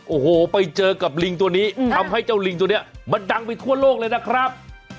โอ้โหไปเจอกับลิงตัวนี้ทำให้เจ้าลิงตัวนี้มันดังไปทั่วโลกเลยนะครับ